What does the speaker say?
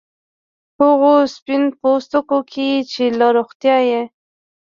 هغو سپین پوستکو کې چې له روغتیايي